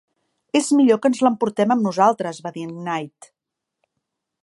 "És millor que ens l"emportem amb nosaltres", va dir en Knight.